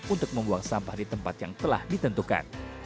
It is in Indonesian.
untuk membuang sampah di tempat yang telah ditentukan